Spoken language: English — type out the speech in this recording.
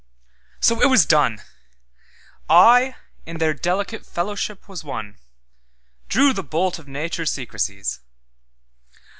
'So it was done:I in their delicate fellowship was one—Drew the bolt of Nature's secrecies.